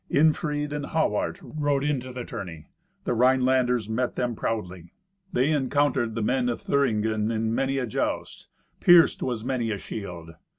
Irnfried and Hawart rode into the tourney. The Rhinelanders met them proudly. They encountered the men of Thüringen in many a joust; pierced was many a shield.